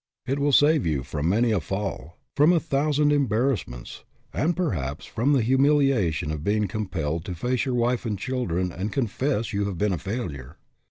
It will save you from many a fall, from a thousand embarrassments, and perhaps from the humiliation of being com pelled to face your wife and children and con fess that you have been a failure.